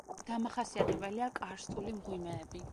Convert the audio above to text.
დამახასიათებელია კარსტული მღვიმეები.